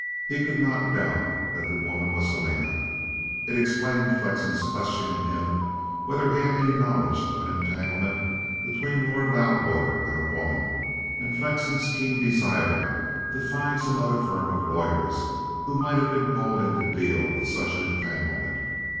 He could not doubt that the woman was Helena. It explained Flexen's questioning him whether he had any knowledge of an entanglement between Lord Loudwater and a woman, and Flexen's keen desire to find some other firm of lawyers who might have been called in to deal with such an entanglement.